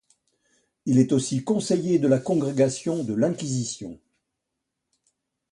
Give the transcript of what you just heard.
Il est aussi conseiller de la Congrégation de l'Inquisition.